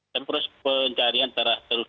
dan proses pencarian terus terus dilakukan